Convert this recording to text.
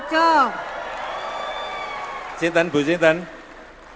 berasal dari desa temurjo dusun sumberjambe kecamatan bangurjo